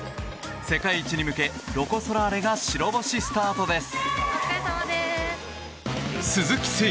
世界一に向けロコ・ソラーレが白星スタートです。